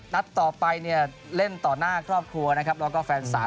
นัดต่อไปเล่นต่อหน้าครอบครัวแล้วก็แฟนสา